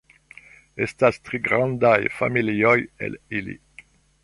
Estas tri grandaj familioj el ili.